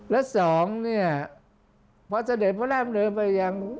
และสองพระเสด็จพระราชมณ์เลยไปยัง